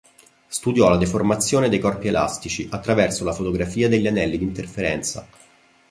Studiò la deformazione dei corpi elastici attraverso la fotografia degli anelli di interferenza.